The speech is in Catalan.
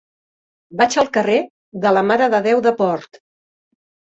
Vaig al carrer de la Mare de Déu de Port.